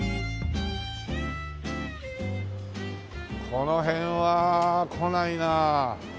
この辺は来ないなあ。